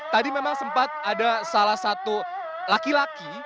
tadi memang sempat ada salah satu laki laki